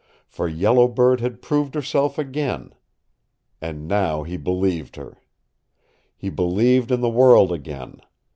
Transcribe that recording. For Yellow Bird had proved herself again. And now he believed her. He believed in the world again.